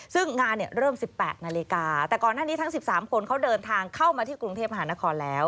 ซึ่งงานเนี่ยเริ่ม๑๘นาฬิกาแต่ก่อนหน้านี้ทั้ง๑๓คนเขาเดินทางเข้ามาที่กรุงเทพมหานครแล้ว